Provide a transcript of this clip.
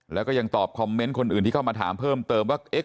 แล้วก็ยังตอบคอมเมนต์คนอื่นที่เข้ามาถามเพิ่มเติมว่า